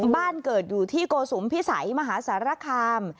บ้านเกิดอยู่ที่โกสุมพิสัยมหาสารคาม